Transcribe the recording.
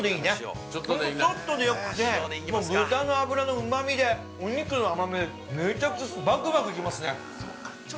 ほんと、ちょっとでよくて、もう豚の脂のうまみで、お肉の甘みで、めちゃくちゃ、ばくばくいけますね。